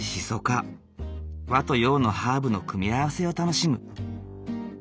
和と洋のハーブの組み合わせを楽しむ。